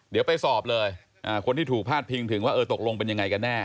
เดี๋ยวไปสอบเลยคนที่ถูกพาดพิงถึงว่าเออตกลงเป็นยังไงกันแน่